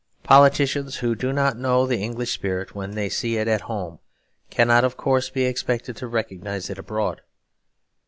Politicians who do not know the English spirit when they see it at home, cannot of course be expected to recognise it abroad.